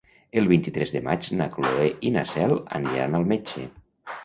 El vint-i-tres de maig na Cloè i na Cel aniran al metge.